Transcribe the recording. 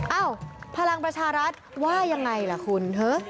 เอ้าพลังประชารัฐว่ายังไงล่ะคุณเถอะ